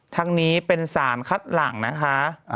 ทั้งนี้เป็นสารคัดหลังนะคะ